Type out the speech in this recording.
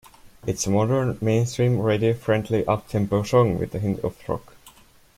It's a modern mainstream radio-friendly up-tempo song with a hint of rock.